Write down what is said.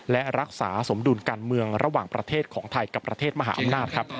และรักษาสมดุลการเมืองระหว่างประเทศของไทยกับประเทศมหาอำนาจครับ